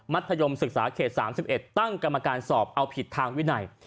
ธยมศึกษาเขต๓๑ตั้งกรรมการสอบเอาผิดทางวินัย